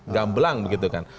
gamblang begitu kan